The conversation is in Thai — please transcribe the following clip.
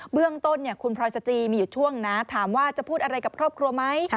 เรื่องต้นคุณพลอยสจีมีอยู่ช่วงนะถามว่าจะพูดอะไรกับครอบครัวไหม